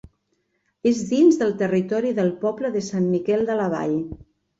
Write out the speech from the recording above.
És dins del territori del poble de Sant Miquel de la Vall.